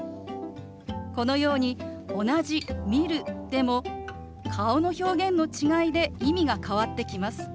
このように同じ「見る」でも顔の表現の違いで意味が変わってきます。